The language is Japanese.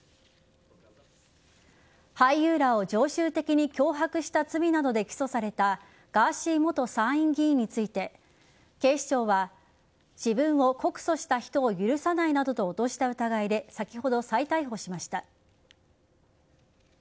俳優らを常習的に脅迫した罪などで起訴されたガーシー元参院議員について警視庁は、自分を告訴した人を許さないなどと脅した疑いで先ほど再逮捕しました。